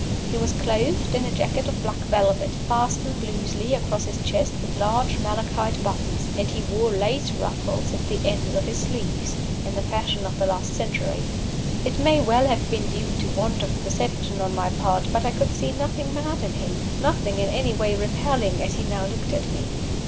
He was clothed in a jacket of black velvet, fastened loosely across his chest with large malachite buttons; and he wore lace ruffles at the ends of his sleeves, in the fashion of the last century. It may well have been due to want of perception on my part but I could see nothing mad in him, nothing in any way repelling, as he now looked at me.